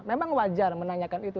memang wajar menanyakan itu